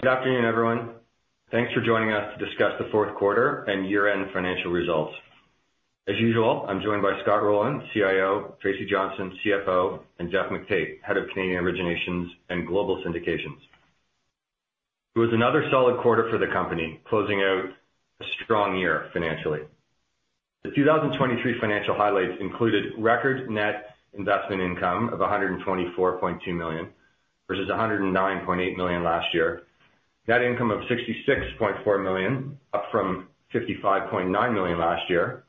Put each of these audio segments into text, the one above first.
Good afternoon, everyone. Thanks for joining us to discuss the fourth quarter and year-end financial results. As usual, I'm joined by Scott Rowland, CIO; Tracy Johnston, CFO; and Geoff McTait, Head of Canadian Originations and Global Syndications. It was another solid quarter for the company, closing out a strong year financially. The 2023 financial highlights included record net investment income of 124.2 million versus 109.8 million last year, net income of 66.4 million up from 55.9 million last year,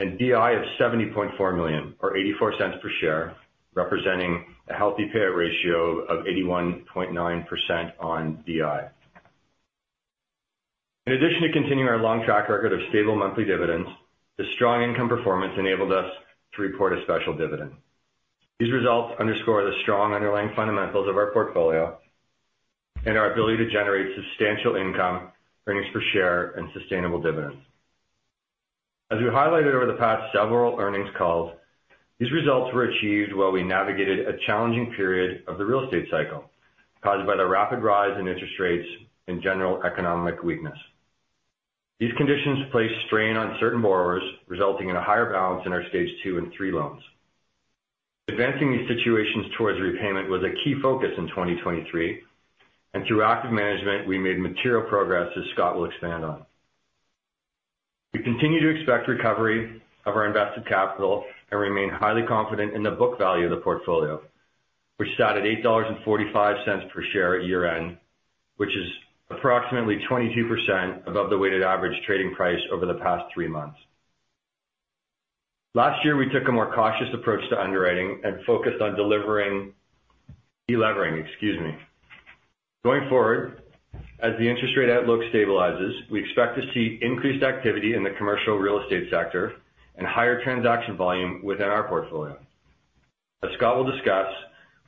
and DI of 70.4 million or 0.84 per share representing a healthy payout ratio of 81.9% on DI. In addition to continuing our long track record of stable monthly dividends, the strong income performance enabled us to report a special dividend. These results underscore the strong underlying fundamentals of our portfolio and our ability to generate substantial income, earnings per share, and sustainable dividends. As we highlighted over the past several earnings calls, these results were achieved while we navigated a challenging period of the real estate cycle caused by the rapid rise in interest rates and general economic weakness. These conditions placed strain on certain borrowers, resulting in a higher balance in our Stage 2 and 3 loans. Advancing these situations towards repayment was a key focus in 2023, and through active management, we made material progress as Scott will expand on. We continue to expect recovery of our invested capital and remain highly confident in the book value of the portfolio, which sat at 8.45 dollars per share at year-end, which is approximately 22% above the weighted average trading price over the past three months. Last year, we took a more cautious approach to underwriting and focused on delivering delevering, excuse me. Going forward, as the interest rate outlook stabilizes, we expect to see increased activity in the commercial real estate sector and higher transaction volume within our portfolio. As Scott will discuss,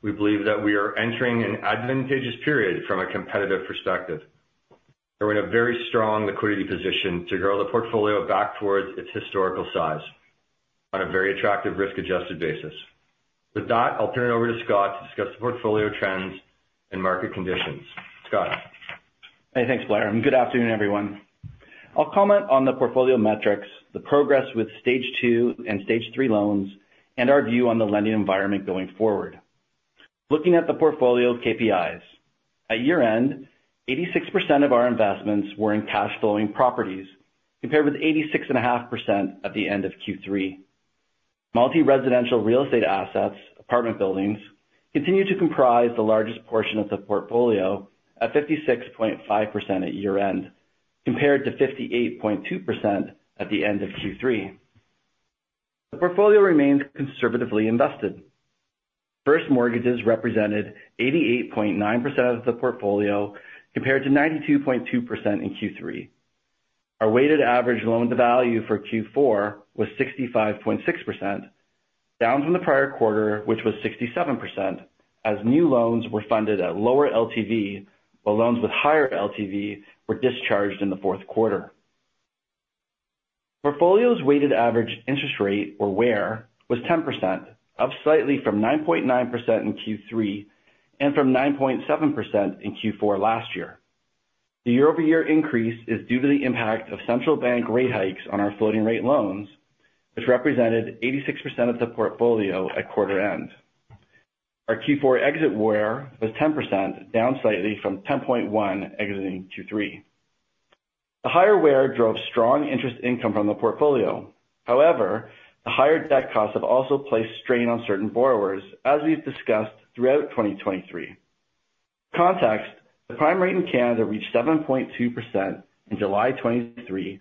we believe that we are entering an advantageous period from a competitive perspective. We're in a very strong liquidity position to grow the portfolio back towards its historical size on a very attractive risk-adjusted basis. With that, I'll turn it over to Scott to discuss the portfolio trends and market conditions. Scott. Hey, thanks, Blair. Good afternoon, everyone. I'll comment on the portfolio metrics, the progress with Stage 2 and Stage 3 loans, and our view on the lending environment going forward. Looking at the portfolio KPIs, at year-end, 86% of our investments were in cash-flowing properties compared with 86.5% at the end of Q3. Multi-residential real estate assets, apartment buildings, continue to comprise the largest portion of the portfolio at 56.5% at year-end compared to 58.2% at the end of Q3. The portfolio remains conservatively invested. First mortgages represented 88.9% of the portfolio compared to 92.2% in Q3. Our weighted average loan-to-value for Q4 was 65.6%, down from the prior quarter, which was 67%, as new loans were funded at lower LTV while loans with higher LTV were discharged in the fourth quarter. Portfolio's weighted average interest rate, or WAIR, was 10%, up slightly from 9.9% in Q3 and from 9.7% in Q4 last year. The year-over-year increase is due to the impact of central bank rate hikes on our floating-rate loans, which represented 86% of the portfolio at quarter-end. Our Q4 exit WAIR was 10%, down slightly from 10.1% exiting Q3. The higher WAIR drove strong interest income from the portfolio. However, the higher debt costs have also placed strain on certain borrowers, as we've discussed throughout 2023. For context, the prime rate in Canada reached 7.2% in July 2023,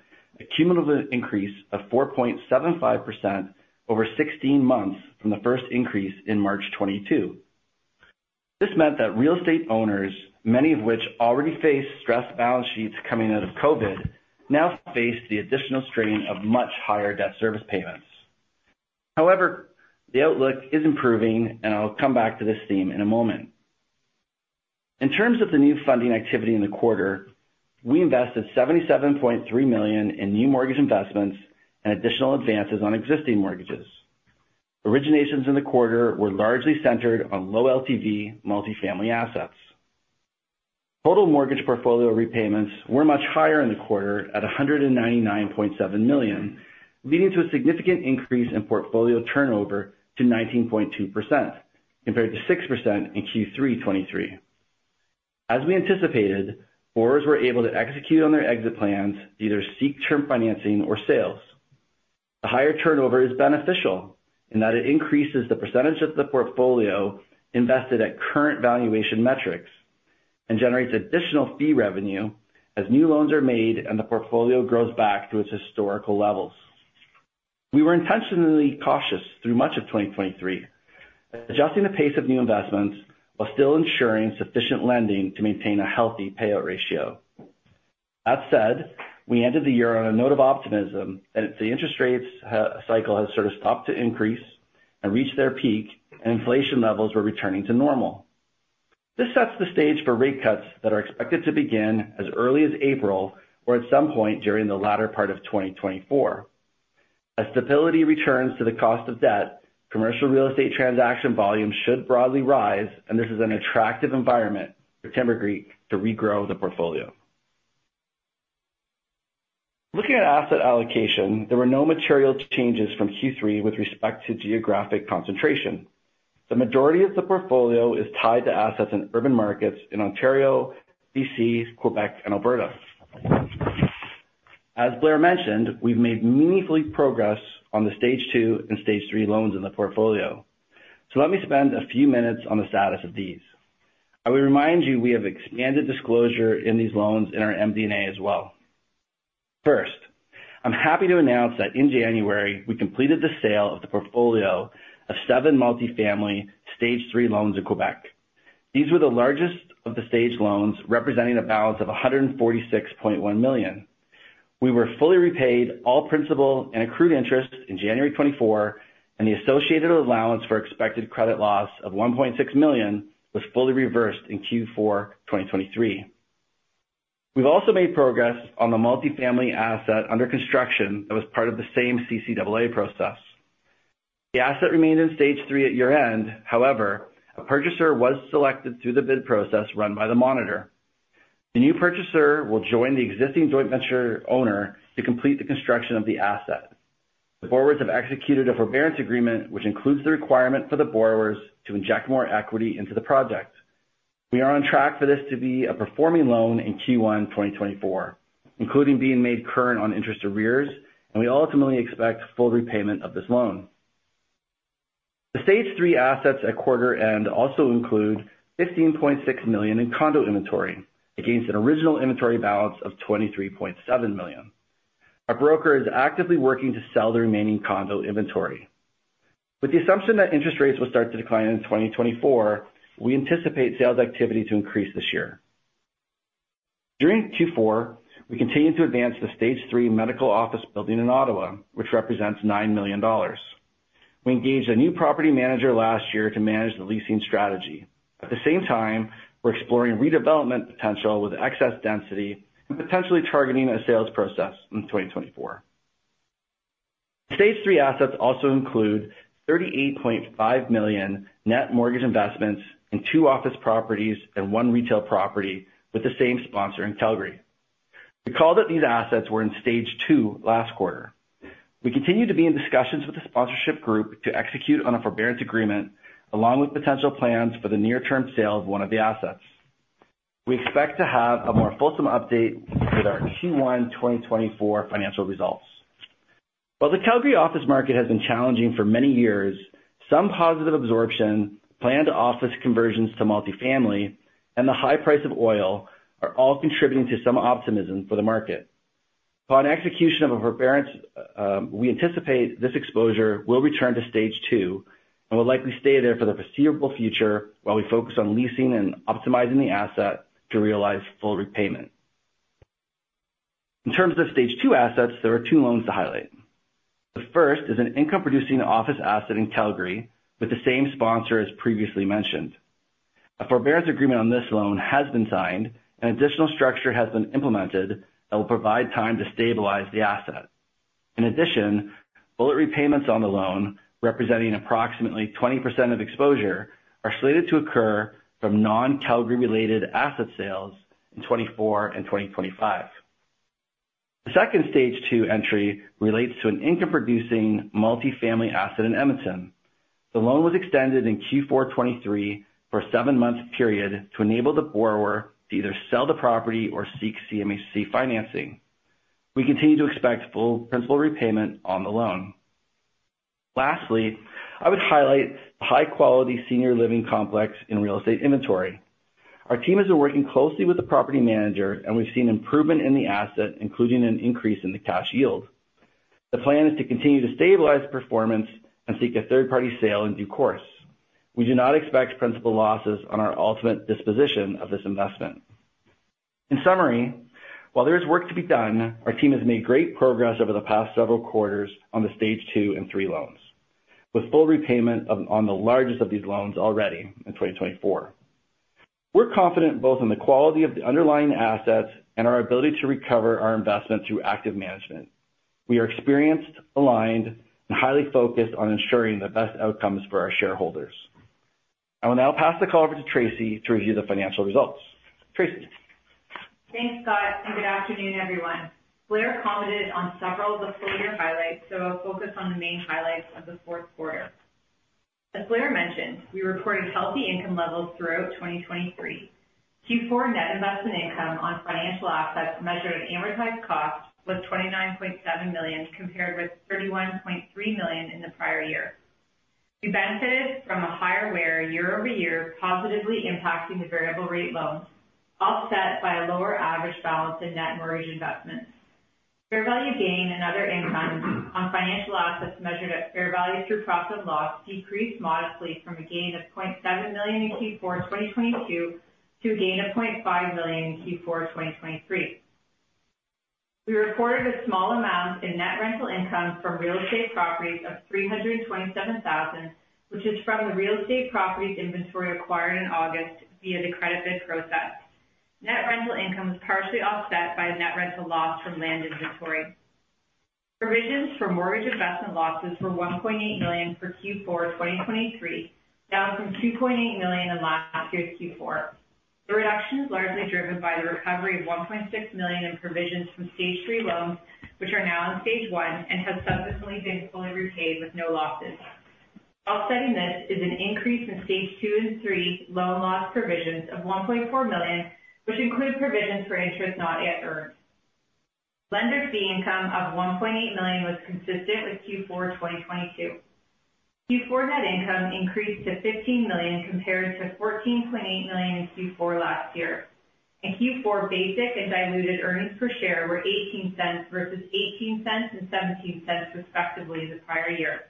a cumulative increase of 4.75% over 16 months from the first increase in March 2022. This meant that real estate owners, many of which already faced stressed balance sheets coming out of COVID, now faced the additional strain of much higher debt service payments. However, the outlook is improving, and I'll come back to this theme in a moment. In terms of the new funding activity in the quarter, we invested 77.3 million in new mortgage investments and additional advances on existing mortgages. Originations in the quarter were largely centered on low LTV multifamily assets. Total mortgage portfolio repayments were much higher in the quarter at 199.7 million, leading to a significant increase in portfolio turnover to 19.2% compared to 6% in Q3 2023. As we anticipated, borrowers were able to execute on their exit plans, either seek term financing or sales. The higher turnover is beneficial in that it increases the percentage of the portfolio invested at current valuation metrics and generates additional fee revenue as new loans are made and the portfolio grows back to its historical levels. We were intentionally cautious through much of 2023, adjusting the pace of new investments while still ensuring sufficient lending to maintain a healthy payout ratio. That said, we ended the year on a note of optimism that the interest rate cycle has sort of stopped to increase and reached their peak, and inflation levels were returning to normal. This sets the stage for rate cuts that are expected to begin as early as April or at some point during the latter part of 2024. As stability returns to the cost of debt, commercial real estate transaction volume should broadly rise, and this is an attractive environment for Timbercreek to regrow the portfolio. Looking at asset allocation, there were no material changes from Q3 with respect to geographic concentration. The majority of the portfolio is tied to assets in urban markets in Ontario, B.C., Quebec, and Alberta. As Blair mentioned, we've made meaningful progress on the Stage 2 and Stage 3 loans in the portfolio. Let me spend a few minutes on the status of these. I will remind you we have expanded disclosure in these loans in our MD&A as well. First, I'm happy to announce that in January, we completed the sale of the portfolio of seven multifamily Stage 3 loans in Quebec. These were the largest of the stage loans, representing a balance of 146.1 million. We were fully repaid all principal and accrued interest in January 2024, and the associated allowance for expected credit loss of 1.6 million was fully reversed in Q4 2023. We've also made progress on the multifamily asset under construction that was part of the same CCAA process. The asset remained in Stage 3 at year-end. However, a purchaser was selected through the bid process run by the monitor. The new purchaser will join the existing joint venture owner to complete the construction of the asset. The board has executed a forbearance agreement, which includes the requirement for the borrowers to inject more equity into the project. We are on track for this to be a performing loan in Q1 2024, including being made current on interest arrears, and we ultimately expect full repayment of this loan. The Stage 3 assets at quarter-end also include 15.6 million in condo inventory against an original inventory balance of 23.7 million. Our broker is actively working to sell the remaining condo inventory. With the assumption that interest rates will start to decline in 2024, we anticipate sales activity to increase this year. During Q4, we continue to advance the Stage 3 medical office building in Ottawa, which represents 9 million dollars. We engaged a new property manager last year to manage the leasing strategy. At the same time, we're exploring redevelopment potential with excess density and potentially targeting a sales process in 2024. Stage 3 assets also include 38.5 million net mortgage investments in two office properties and one retail property with the same sponsor in Calgary. Recall that these assets were in Stage 2 last quarter. We continue to be in discussions with the sponsorship group to execute on a forbearance agreement along with potential plans for the near-term sale of one of the assets. We expect to have a more fulsome update with our Q1 2024 financial results. While the Calgary office market has been challenging for many years, some positive absorption, planned office conversions to multifamily, and the high price of oil are all contributing to some optimism for the market. Upon execution of a Forbearance Agreement, we anticipate this exposure will return to Stage 2 and will likely stay there for the foreseeable future while we focus on leasing and optimizing the asset to realize full repayment. In terms of Stage 2 assets, there are two loans to highlight. The first is an income-producing office asset in Calgary with the same sponsor as previously mentioned. A Forbearance Agreement on this loan has been signed, and additional structure has been implemented that will provide time to stabilize the asset. In addition, bullet repayments on the loan, representing approximately 20% of exposure, are slated to occur from non-Calgary-related asset sales in 2024 and 2025. The second Stage 2 entry relates to an income-producing multifamily asset in Edmonton. The loan was extended in Q4 2023 for a 7-month period to enable the borrower to either sell the property or seek CMHC financing. We continue to expect full principal repayment on the loan. Lastly, I would highlight the high-quality senior living complex in real estate inventory. Our team has been working closely with the property manager, and we've seen improvement in the asset, including an increase in the cash yield. The plan is to continue to stabilize performance and seek a third-party sale in due course. We do not expect principal losses on our ultimate disposition of this investment. In summary, while there is work to be done, our team has made great progress over the past several quarters on the Stage 2 and Stage 3 loans, with full repayment on the largest of these loans already in 2024. We're confident both in the quality of the underlying assets and our ability to recover our investment through active management. We are experienced, aligned, and highly focused on ensuring the best outcomes for our shareholders. I will now pass the call over to Tracy to review the financial results. Tracy. Thanks, Scott, and good afternoon, everyone. Blair commented on several of the full-year highlights, so I'll focus on the main highlights of the fourth quarter. As Blair mentioned, we reported healthy income levels throughout 2023. Q4 net investment income on financial assets measured at amortized cost was 29.7 million compared with 31.3 million in the prior year. We benefited from a higher WAIR year-over-year, positively impacting the variable-rate loans, offset by a lower average balance in net mortgage investments. Fair value gain and other income on financial assets measured at fair value through profit and loss decreased modestly from a gain of 0.7 million in Q4 2022 to a gain of 0.5 million in Q4 2023. We reported a small amount in net rental income from real estate properties of 327,000, which is from the real estate properties inventory acquired in August via the credit bid process. Net rental income was partially offset by net rental loss from land inventory. Provisions for mortgage investment losses were 1.8 million for Q4 2023, down from 2.8 million in last year's Q4. The reduction is largely driven by the recovery of 1.6 million in provisions from Stage 3 loans, which are now in Stage 1 and have subsequently been fully repaid with no losses. Offsetting this is an increase in Stage 2 and Stage 3 loan loss provisions of 1.4 million, which include provisions for interest not yet earned. Lender fee income of 1.8 million was consistent with Q4 2022. Q4 net income increased to 15 million compared to 14.8 million in Q4 last year. In Q4, basic and diluted earnings per share were 0.18 versus 0.18 and 0.17 respectively the prior year.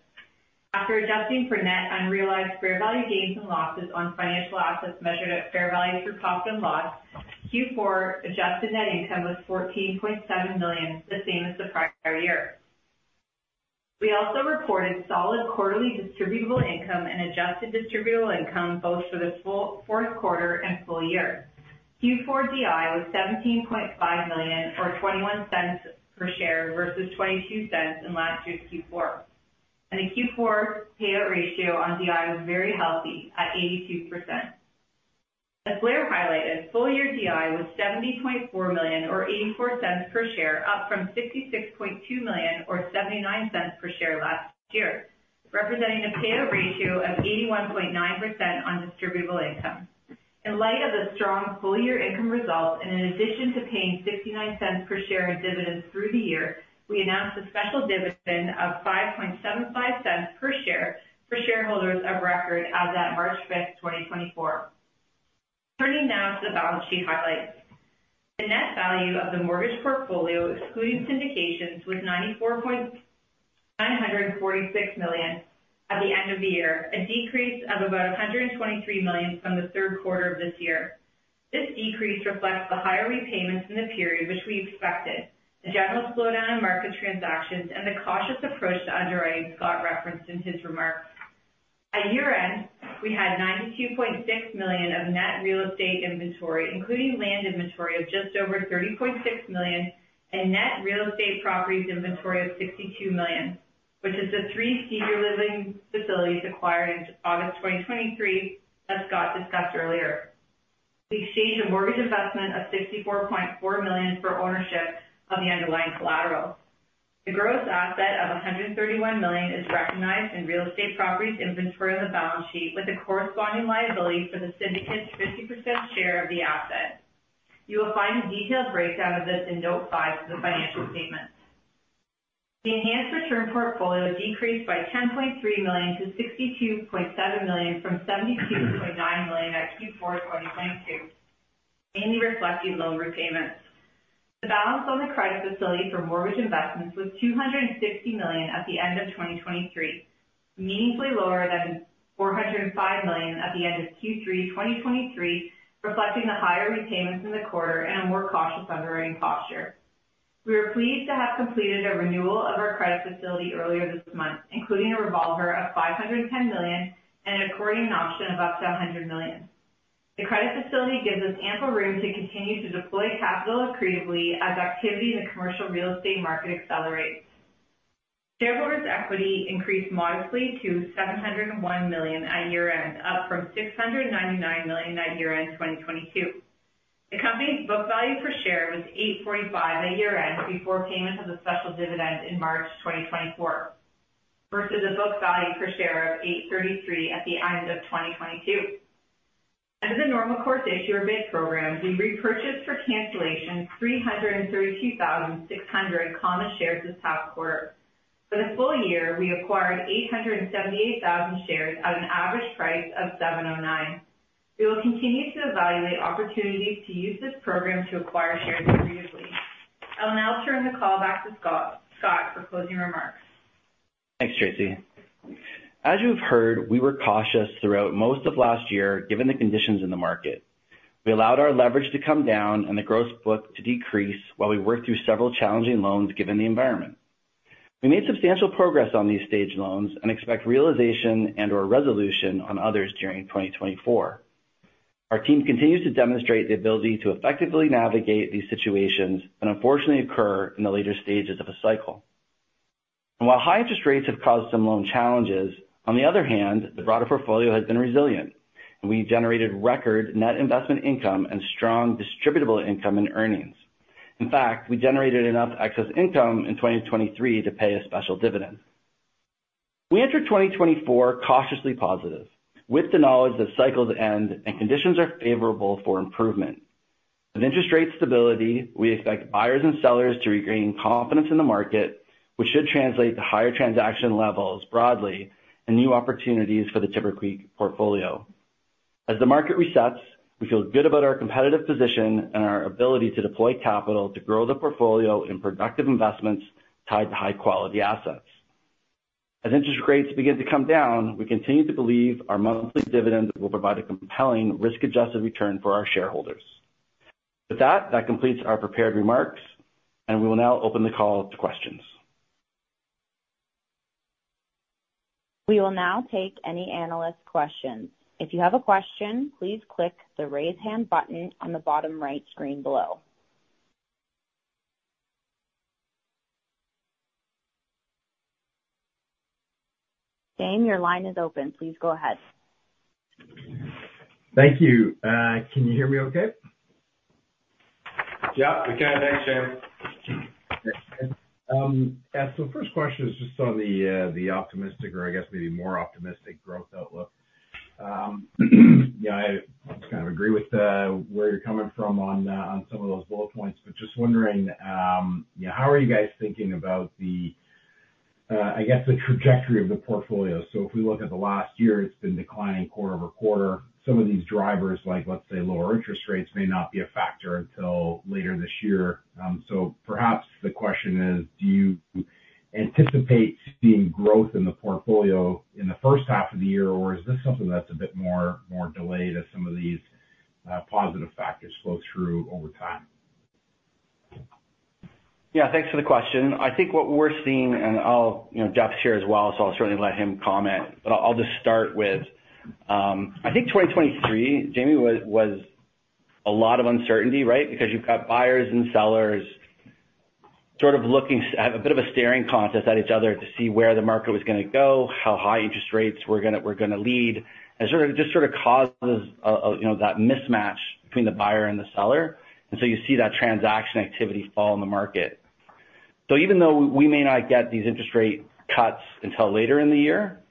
After adjusting for net unrealized fair value gains and losses on financial assets measured at fair value through profit and loss, Q4 adjusted net income was CAD 14.7 million, the same as the prior year. We also reported solid quarterly distributable income and adjusted distributable income both for the fourth quarter and full year. Q4 DI was 17.5 million or 0.21 per share versus 0.22 in last year's Q4. The Q4 payout ratio on DI was very healthy at 82%. As Blair highlighted, full-year DI was 70.4 million or 0.84 per share, up from 66.2 million or 0.79 per share last year, representing a payout ratio of 81.9% on distributable income. In light of the strong full-year income results, and in addition to paying 0.69 per share in dividends through the year, we announced a special dividend of 0.57 per share for shareholders of record as of March 5th, 2024. Turning now to the balance sheet highlights. The net value of the mortgage portfolio, excluding syndications, was 9,446 million at the end of the year, a decrease of about 123 million from the third quarter of this year. This decrease reflects the higher repayments in the period, which we expected, the general slowdown in market transactions, and the cautious approach to underwriting Scott referenced in his remarks. At year-end, we had 92.6 million of net real estate inventory, including land inventory of just over 30.6 million and net real estate properties inventory of 62 million, which is the three senior living facilities acquired in August 2023 as Scott discussed earlier. We exchanged a mortgage investment of CAD 64.4 million for ownership of the underlying collateral. The gross asset of CAD 131 million is recognized in real estate properties inventory on the balance sheet, with a corresponding liability for the syndicate's 50% share of the asset. You will find a detailed breakdown of this in note 5 to the financial statements. The Enhanced Return Portfolio decreased by 10.3 million to 62.7 million from 72.9 million at Q4 2022, mainly reflecting loan repayments. The balance on the credit facility for mortgage investments was CAD 260 million at the end of 2023, meaningfully lower than CAD 405 million at the end of Q3 2023, reflecting the higher repayments in the quarter and a more cautious underwriting posture. We were pleased to have completed a renewal of our credit facility earlier this month, including a revolver of 510 million and an accordion option of up to 100 million. The credit facility gives us ample room to continue to deploy capital accretively as activity in the commercial real estate market accelerates. Shareholders' equity increased modestly to CAD 701 million at year-end, up from CAD 699 million at year-end 2022. The company's book value per share was CAD 8.45 at year-end before payment of the special dividend in March 2024 versus a book value per share of 8.33 at the end of 2022. Under the Normal Course Issuer Bid program, we repurchased for cancellation 332,600 shares this past quarter. For the full year, we acquired 878,000 shares at an average price of 7.09. We will continue to evaluate opportunities to use this program to acquire shares accretively. I will now turn the call back to Scott for closing remarks. Thanks, Tracy. As you have heard, we were cautious throughout most of last year given the conditions in the market. We allowed our leverage to come down and the gross book to decrease while we worked through several challenging loans given the environment. We made substantial progress on these stage loans and expect realization and/or resolution on others during 2024. Our team continues to demonstrate the ability to effectively navigate these situations that unfortunately occur in the later stages of a cycle. And while high interest rates have caused some loan challenges, on the other hand, the broader portfolio has been resilient, and we generated record net investment income and strong distributable income and earnings. In fact, we generated enough excess income in 2023 to pay a special dividend. We entered 2024 cautiously positive with the knowledge that cycles end and conditions are favorable for improvement. With interest rate stability, we expect buyers and sellers to regain confidence in the market, which should translate to higher transaction levels broadly and new opportunities for the Timbercreek portfolio. As the market resets, we feel good about our competitive position and our ability to deploy capital to grow the portfolio in productive investments tied to high-quality assets. As interest rates begin to come down, we continue to believe our monthly dividends will provide a compelling risk-adjusted return for our shareholders. With that, that completes our prepared remarks, and we will now open the call to questions. We will now take any analyst questions. If you have a question, please click the raise hand button on the bottom right screen below. Jaeme, your line is open. Please go ahead. Thank you. Can you hear me okay? Yeah, we can. Thanks, Jaeme. So first question is just on the optimistic or, I guess, maybe more optimistic growth outlook. I kind of agree with where you're coming from on some of those bullet points, but just wondering, how are you guys thinking about, I guess, the trajectory of the portfolio? So if we look at the last year, it's been declining quarter-over-quarter. Some of these drivers, like, let's say, lower interest rates, may not be a factor until later this year. So perhaps the question is, do you anticipate seeing growth in the portfolio in the first half of the year, or is this something that's a bit more delayed as some of these positive factors flow through over time? Yeah, thanks for the question. I think what we're seeing, and Geoff's here as well, so I'll certainly let him comment. But I'll just start with, I think 2023, Jaeme, was a lot of uncertainty, right? Because you've got buyers and sellers sort of looking at a bit of a staring contest at each other to see where the market was going to go, how high interest rates were going to lead, and it just sort of causes that mismatch between the buyer and the seller. And so you see that transaction activity fall in the market. So even though we may not get these interest rate cuts until later in the year,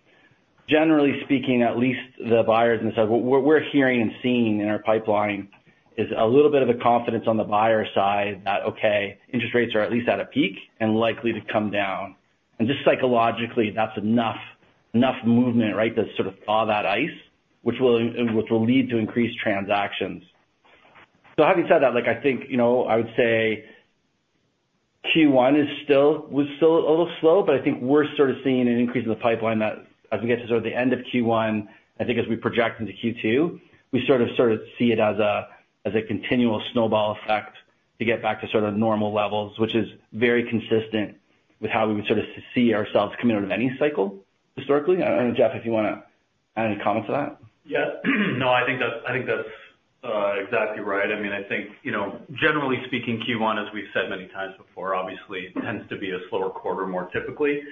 generally speaking, at least the buyers and the sellers, what we're hearing and seeing in our pipeline is a little bit of a confidence on the buyer side that, okay, interest rates are at least at a peak and likely to come down. And just psychologically, that's enough movement, right, to sort of thaw that ice, which will lead to increased transactions. So having said that, I think I would say Q1 was still a little slow, but I think we're sort of seeing an increase in the pipeline that as we get to sort of the end of Q1, I think as we project into Q2, we sort of see it as a continual snowball effect to get back to sort of normal levels, which is very consistent with how we would sort of see ourselves coming out of any cycle historically. I don't know, Geoff, if you want to add any comment to that. Yeah. No, I think that's exactly right. I mean, I think generally speaking, Q1, as we've said many times before, obviously, tends to be a slower quarter more typically,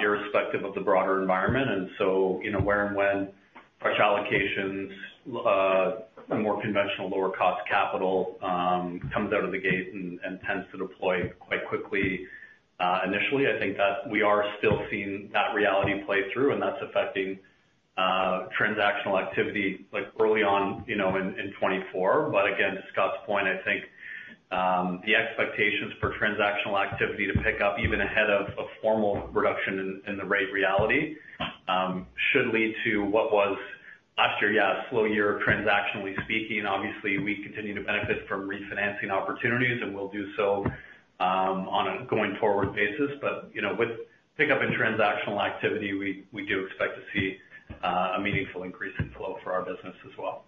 irrespective of the broader environment. And so where and when fresh allocations, more conventional, lower-cost capital comes out of the gate and tends to deploy quite quickly initially, I think that we are still seeing that reality play through, and that's affecting transactional activity early on in 2024. But again, to Scott's point, I think the expectations for transactional activity to pick up even ahead of a formal reduction in the rate reality should lead to what was last year, yeah, a slow year, transactionally speaking. Obviously, we continue to benefit from refinancing opportunities, and we'll do so on a going forward basis. With pickup in transactional activity, we do expect to see a meaningful increase in flow for our business as well.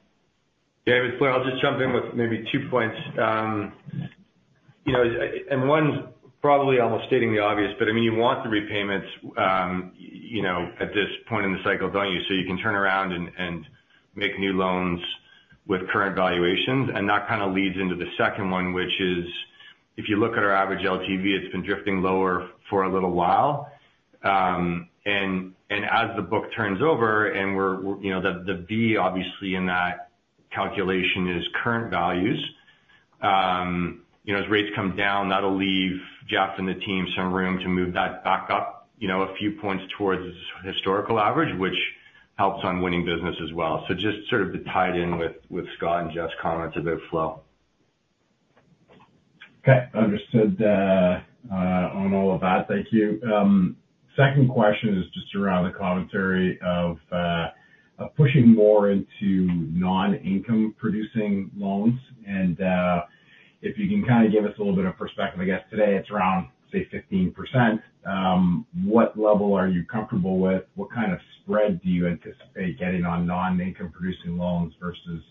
Yeah, it's, Blair, I'll just jump in with maybe two points. One's probably almost stating the obvious, but I mean, you want the repayments at this point in the cycle, don't you? So you can turn around and make new loans with current valuations. That kind of leads into the second one, which is if you look at our average LTV, it's been drifting lower for a little while. As the book turns over, and the B, obviously, in that calculation is current values, as rates come down, that'll leave Geoff and the team some room to move that back up a few points towards historical average, which helps on winning business as well. So just sort of to tie it in with Scott and Geoff's comments about flow. Okay. Understood on all of that. Thank you. Second question is just around the commentary of pushing more into non-income-producing loans. And if you can kind of give us a little bit of perspective, I guess today it's around, say, 15%. What level are you comfortable with? What kind of spread do you anticipate getting on non-income-producing loans versus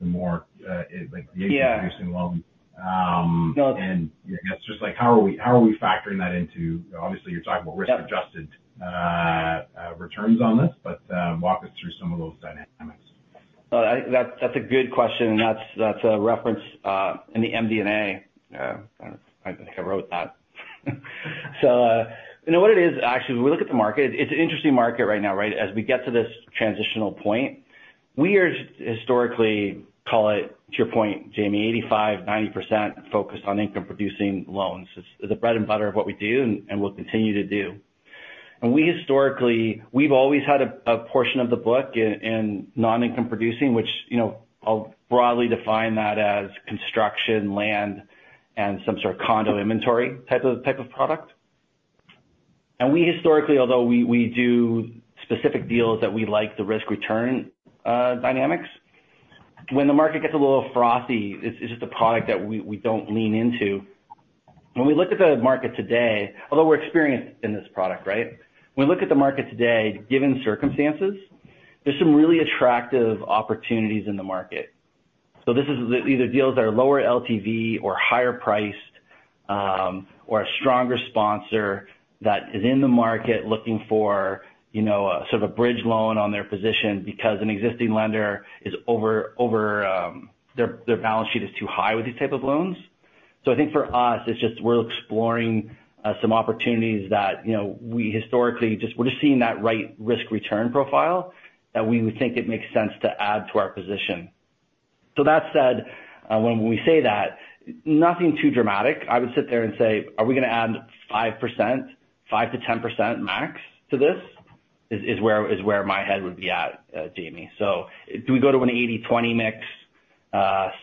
the more the income-producing loans? And I guess just how are we factoring that into obviously, you're talking about risk-adjusted returns on this, but walk us through some of those dynamics. Oh, that's a good question, and that's a reference in the MD&A. I think I wrote that. So what it is, actually, when we look at the market, it's an interesting market right now, right? As we get to this transitional point, we are historically, call it, to your point, Jaeme, 85%-90% focused on income-producing loans. It's the bread and butter of what we do and will continue to do. And we've always had a portion of the book in non-income-producing, which I'll broadly define that as construction, land, and some sort of condo inventory type of product. And we historically, although we do specific deals that we like the risk-return dynamics, when the market gets a little frothy, it's just a product that we don't lean into. When we look at the market today, although we're experienced in this product, right? When we look at the market today, given circumstances, there's some really attractive opportunities in the market. So these are deals that are lower LTV or higher priced or a stronger sponsor that is in the market looking for sort of a bridge loan on their position because an existing lender is over, their balance sheet is too high with these type of loans. So I think for us, it's just we're exploring some opportunities that we historically just we're just seeing that right risk-return profile that we would think it makes sense to add to our position. So that said, when we say that, nothing too dramatic. I would sit there and say, "Are we going to add 5%, 5%-10% max to this?" is where my head would be at, Jaeme. So do we go to an 80/20 mix,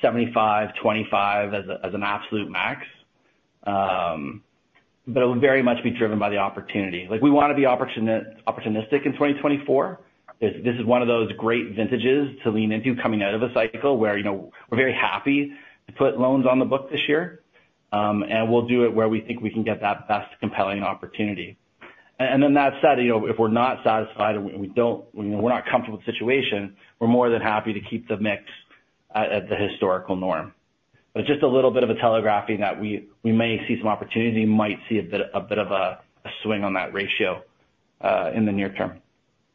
75/25 as an absolute max? But it will very much be driven by the opportunity. We want to be opportunistic in 2024. This is one of those great vintages to lean into coming out of a cycle where we're very happy to put loans on the book this year, and we'll do it where we think we can get that best compelling opportunity. And then that said, if we're not satisfied and we're not comfortable with the situation, we're more than happy to keep the mix at the historical norm. But it's just a little bit of a telegraphing that we may see some opportunity, might see a bit of a swing on that ratio in the near term.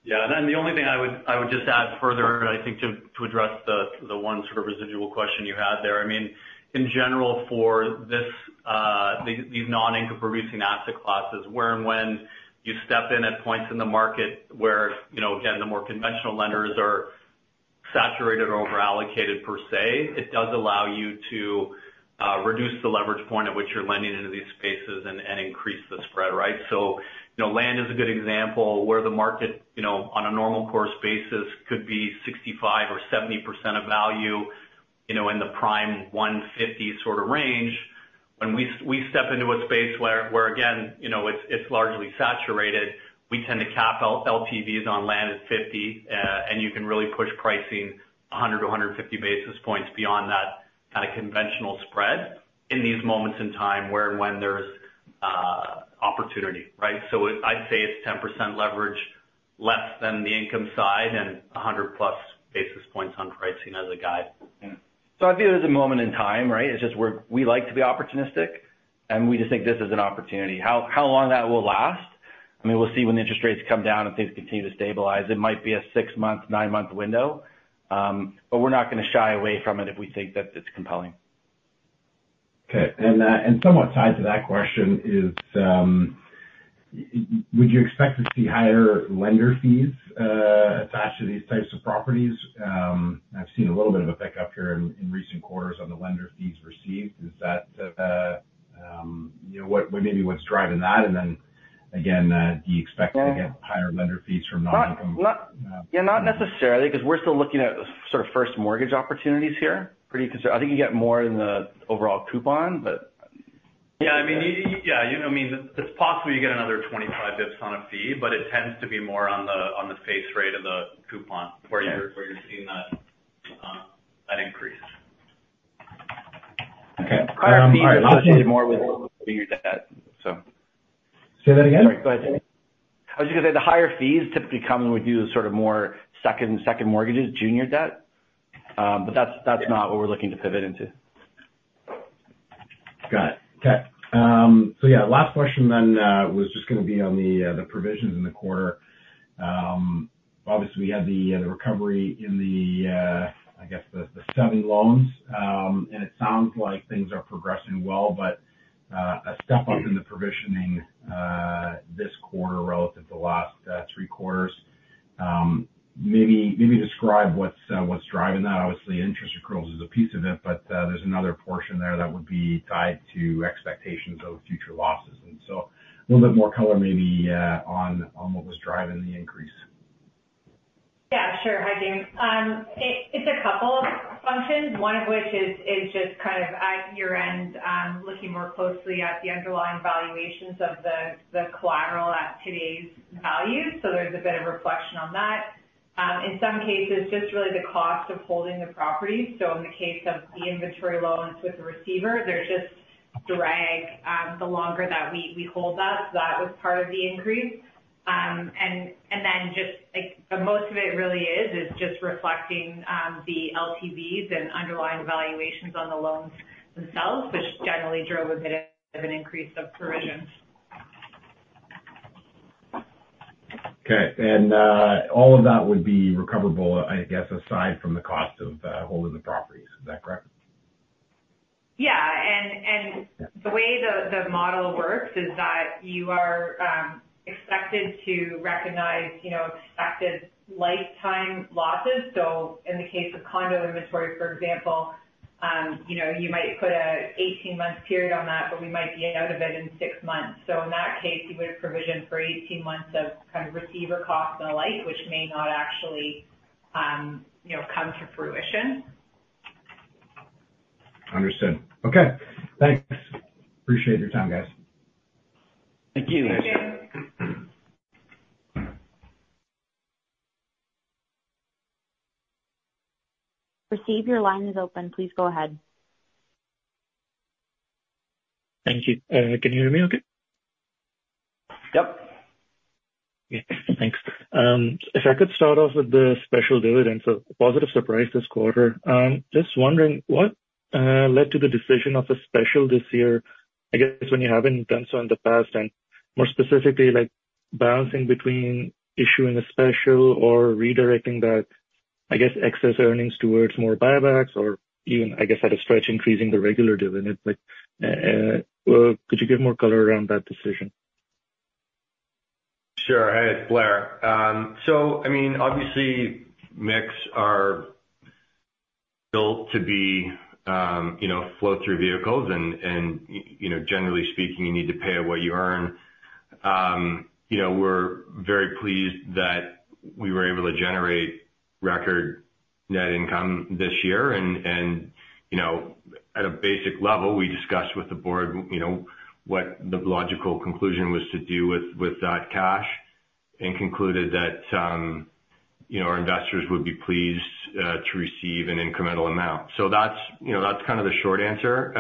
Yeah. And then the only thing I would just add further, I think, to address the one sort of residual question you had there. I mean, in general, for these non-income-producing asset classes, where and when you step in at points in the market where, again, the more conventional lenders are saturated or overallocated, per se, it does allow you to reduce the leverage point at which you're lending into these spaces and increase the spread, right? So land is a good example. Where the market, on a normal course basis, could be 65% or 70% of value in the prime 150 sort of range, when we step into a space where, again, it's largely saturated, we tend to cap LTVs on land at 50, and you can really push pricing 100 basis points-150 basis points beyond that kind of conventional spread in these moments in time, where and when there's opportunity, right? So I'd say it's 10% leverage less than the income side and 100+ basis points on pricing as a guide. So I view it as a moment in time, right? It's just we like to be opportunistic, and we just think this is an opportunity. How long that will last? I mean, we'll see when the interest rates come down and things continue to stabilize. It might be a six-month, nine-month window, but we're not going to shy away from it if we think that it's compelling. Okay. And somewhat tied to that question is, would you expect to see higher lender fees attached to these types of properties? I've seen a little bit of a pickup here in recent quarters on the lender fees received. Is that maybe what's driving that? And then, again, do you expect to get higher lender fees from non-income? Yeah, not necessarily because we're still looking at sort of first mortgage opportunities here, pretty concerned. I think you get more in the overall coupon, but. Yeah. I mean, yeah. I mean, it's possible you get another 25 bips on a fee, but it tends to be more on the face rate of the coupon where you're seeing that increase. Okay. Higher fees associated more with junior debt, so. Say that again. Sorry. Go ahead, Jaeme. I was just going to say the higher fees typically come when we do sort of more second mortgages, junior debt, but that's not what we're looking to pivot into. Got it. Okay. So yeah, last question then was just going to be on the provisions in the quarter. Obviously, we had the recovery in, I guess, the seven loans, and it sounds like things are progressing well, but a step up in the provisioning this quarter relative to last three quarters. Maybe describe what's driving that. Obviously, interest accruals is a piece of it, but there's another portion there that would be tied to expectations of future losses. And so a little bit more color maybe on what was driving the increase. Yeah, sure. Hi, Jaeme. It's a couple of functions, one of which is just kind of at your end looking more closely at the underlying valuations of the collateral at today's values. So there's a bit of reflection on that. In some cases, just really the cost of holding the property. So in the case of the inventory loans with the receiver, there's just drag the longer that we hold that. So that was part of the increase. And then just most of it really is just reflecting the LTVs and underlying valuations on the loans themselves, which generally drove a bit of an increase of provisions. Okay. And all of that would be recoverable, I guess, aside from the cost of holding the properties. Is that correct? Yeah. And the way the model works is that you are expected to recognize expected lifetime losses. So in the case of condo inventory, for example, you might put an 18-month period on that, but we might be out of it in 6 months. So in that case, you would have provisioned for 18 months of kind of receiver costs and the like, which may not actually come to fruition. Understood. Okay. Thanks. Appreciate your time, guys. Thank you. Thanks, Jaeme. Stephen, your line is open. Please go ahead. Thank you. Can you hear me okay? Yep. Okay. Thanks. If I could start off with the special dividends, a positive surprise this quarter. Just wondering, what led to the decision of a special this year, I guess, when you haven't done so in the past, and more specifically, balancing between issuing a special or redirecting that, I guess, excess earnings towards more buybacks or even, I guess, at a stretch, increasing the regular dividend? Could you give more color around that decision? Sure. Hey, it's Blair. So I mean, obviously, MICs are built to be flow-through vehicles, and generally speaking, you need to pay what you earn. We're very pleased that we were able to generate record net income this year. And at a basic level, we discussed with the board what the logical conclusion was to do with that cash and concluded that our investors would be pleased to receive an incremental amount. So that's kind of the short answer.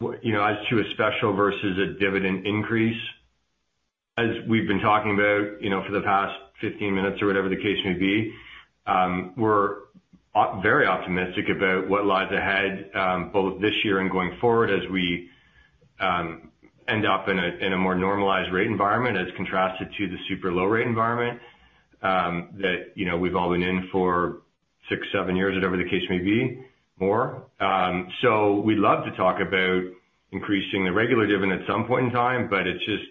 As to a special versus a dividend increase, as we've been talking about for the past 15 minutes or whatever the case may be, we're very optimistic about what lies ahead both this year and going forward as we end up in a more normalized rate environment as contrasted to the super low-rate environment that we've all been in for 6, 7 years, whatever the case may be, more. So we'd love to talk about increasing the regular dividend at some point in time, but it's just,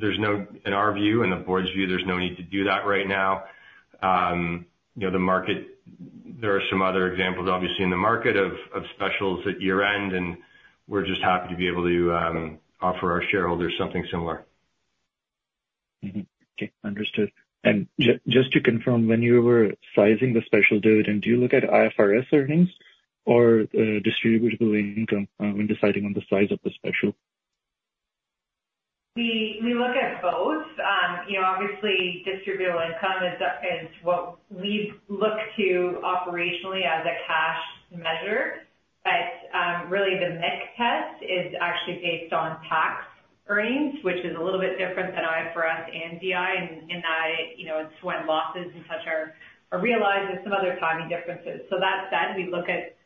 there's no, in our view and the board's view, there's no need to do that right now. There are some other examples, obviously, in the market of specials at year-end, and we're just happy to be able to offer our shareholders something similar. Okay. Understood. And just to confirm, when you were sizing the special dividend, do you look at IFRS earnings or distributable income when deciding on the size of the special? We look at both. Obviously, distributable income is what we look to operationally as a cash measure, but really, the MIC test is actually based on tax earnings, which is a little bit different than IFRS and DI in that it's when losses and such are realized with some other timing differences. So that said, we look at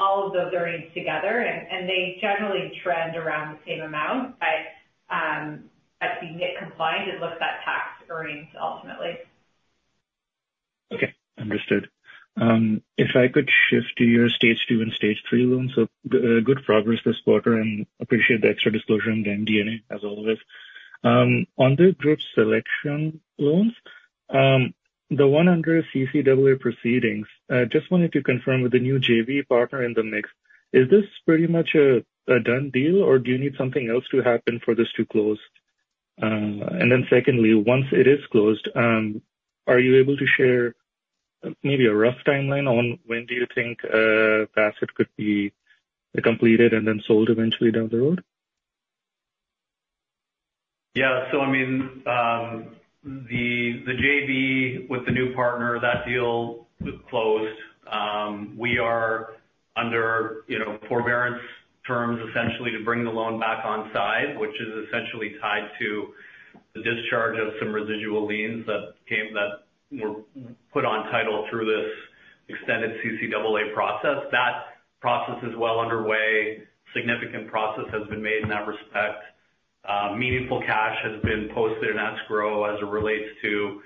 all of those earnings together, and they generally trend around the same amount. But to be MIC-compliant, it looks at tax earnings ultimately. Okay. Understood. If I could shift to your Stage 2 and Stage 3 loans. So good progress this quarter, and appreciate the extra disclosure in the MD&A, as always. On the Groupe Sélection loans, the one under CCAA proceedings, I just wanted to confirm with the new JV partner in the mix, is this pretty much a done deal, or do you need something else to happen for this to close? And then secondly, once it is closed, are you able to share maybe a rough timeline on when do you think that it could be completed and then sold eventually down the road? Yeah. So I mean, the JV with the new partner, that deal closed. We are under forbearance terms, essentially, to bring the loan back on side, which is essentially tied to the discharge of some residual liens that were put on title through this extended CCAA process. That process is well underway. Significant progress has been made in that respect. Meaningful cash has been posted in escrow as it relates to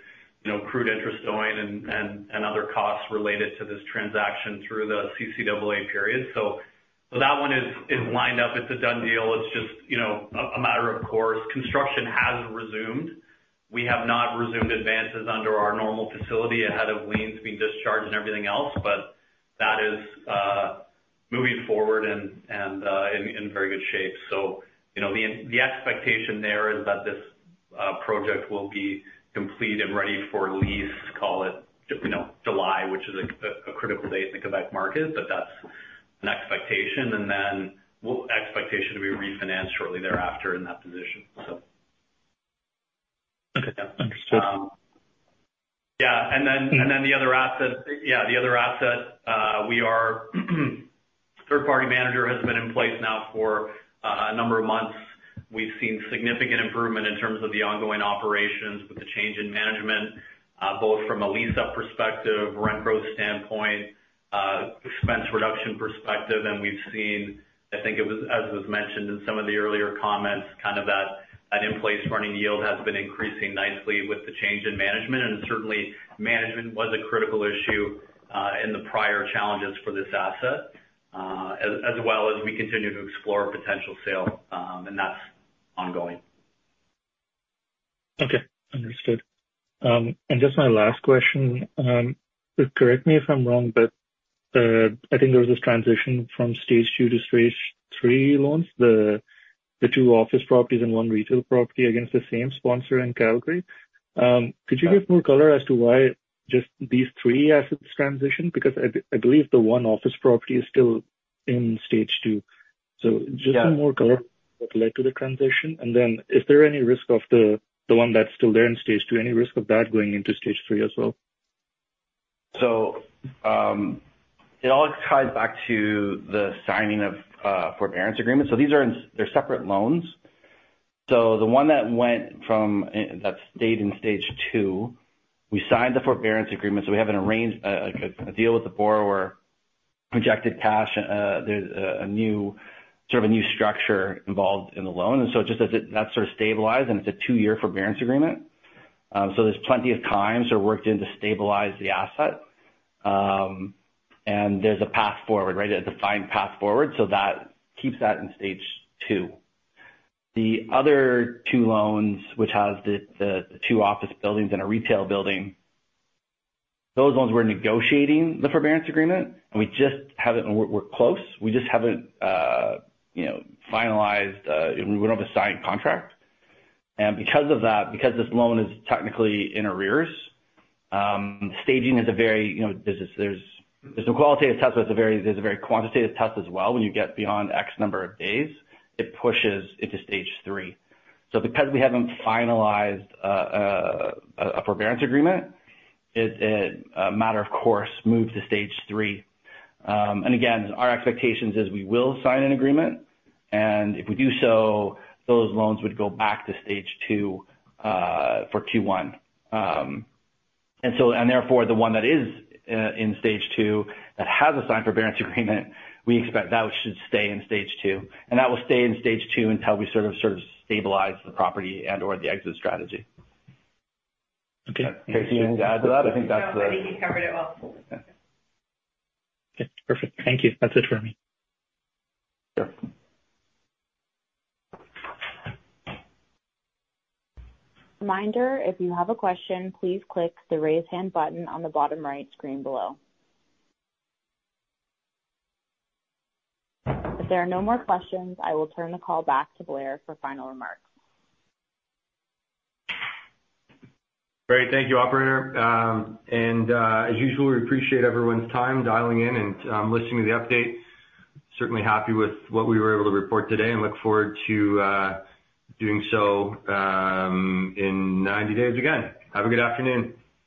accrued interest owing and other costs related to this transaction through the CCAA period. So that one is lined up. It's a done deal. It's just a matter of course. Construction has resumed. We have not resumed advances under our normal facility ahead of liens being discharged and everything else, but that is moving forward and in very good shape. So the expectation there is that this project will be complete and ready for lease, call it July, which is a critical date in the Quebec market, but that's an expectation. And then expectation to be refinanced shortly thereafter in that position, so. Okay. Understood. Yeah. And then the other asset, we are third-party manager has been in place now for a number of months. We've seen significant improvement in terms of the ongoing operations with the change in management, both from a lease-up perspective, rent growth standpoint, expense reduction perspective. And we've seen, I think, as was mentioned in some of the earlier comments, kind of that in-place running yield has been increasing nicely with the change in management. And certainly, management was a critical issue in the prior challenges for this asset, as well as we continue to explore potential sale, and that's ongoing. Okay. Understood. Just my last question, correct me if I'm wrong, but I think there was this transition from Stage 2 to Stage 3 loans, the two office properties and one retail property against the same sponsor in Calgary. Could you give more color as to why just these three assets transitioned? Because I believe the one office property is still in Stage 2. Just some more color on what led to the transition. Then is there any risk of the one that's still there in Stage 2, any risk of that going into Stage 3 as well? So it all ties back to the signing of forbearance agreements. So they're separate loans. So the one that stayed in Stage 2, we signed the forbearance agreement. So we have a deal with the borrower, projected cash. There's sort of a new structure involved in the loan. And so just as that's sort of stabilized, and it's a two-year forbearance agreement, so there's plenty of time sort of worked in to stabilize the asset, and there's a path forward, right, a defined path forward. So that keeps that in Stage 2. The other two loans, which have the two office buildings and a retail building, those loans, we're negotiating the forbearance agreement, and we just haven't. We're close. We just haven't finalized. We don't have a signed contract. And because of that, because this loan is technically in arrears, staging is a very—there's no qualitative test, but there's a very quantitative test as well. When you get beyond X number of days, it pushes into Stage 3. So because we haven't finalized a forbearance agreement, it, matter of course, moved to Stage 3. And again, our expectations is we will sign an agreement, and if we do so, those loans would go back to Stage 2 for Q1. And therefore, the one that is in Stage 2, that has a signed forbearance agreement, we expect that should stay in Stage 2. And that will stay in Stage 2 until we sort of stabilize the property and/or the exit strategy. Okay. Okay. So you need to add to that? I think that's the. Yeah. I think he covered it well. Okay. Perfect. Thank you. That's it for me. Sure. Reminder, if you have a question, please click the raise hand button on the bottom right screen below. If there are no more questions, I will turn the call back to Blair for final remarks. Great. Thank you, operator. And as usual, we appreciate everyone's time dialing in and listening to the update. Certainly happy with what we were able to report today and look forward to doing so in 90 days again. Have a good afternoon.